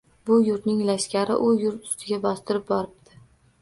Bu yurtning lashkari u yurt ustiga bostirib boribdi.